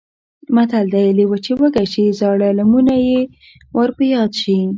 متل دی: لېوه چې وږی شي زاړه لمونه یې ور په یاد شي.